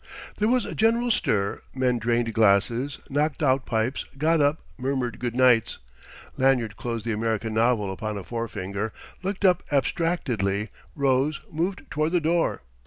There was a general stir; men drained glasses, knocked out pipes, got up, murmured good nights. Lanyard closed the American novel upon a forefinger, looked up abstractedly, rose, moved toward the door.